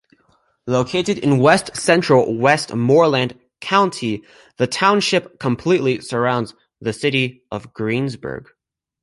Located in west-central Westmoreland County, the township completely surrounds the city of Greensburg.